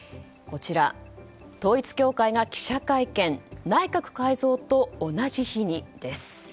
統一教会が記者会見内閣改造と同じ日にです。